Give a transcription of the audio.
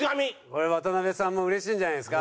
これ渡辺さんも嬉しいんじゃないですか？